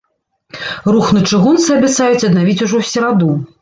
Рух на чыгунцы абяцаюць аднавіць ўжо ў сераду.